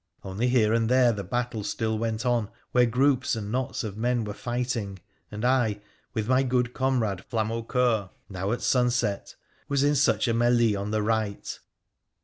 Only here and there the battle still went on, where groups and knots of men were fighting, and I, with my good comrade Flamaucceur, now, at sunset, wag in such a melee on the right.